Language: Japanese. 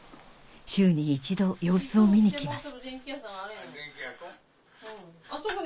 週に１度様子を見に来ます